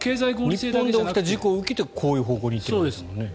日本で起きた事故を受けてこういう方向に行っているわけですよね。